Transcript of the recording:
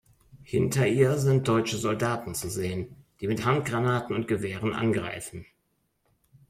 Hinter ihr sind deutsche Soldaten zu sehen, die mit Handgranaten und Gewehren angreifen.